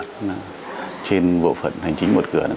trên bộ phận hành chính một cửa